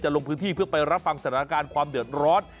ลงพื้นที่เพื่อไปรับฟังสถานการณ์ความเดือดร้อน